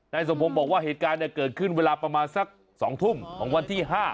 สมพงศ์บอกว่าเหตุการณ์เกิดขึ้นเวลาประมาณสัก๒ทุ่มของวันที่๕